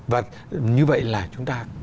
và như vậy là chúng ta